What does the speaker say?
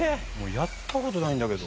やった事ないんだけど。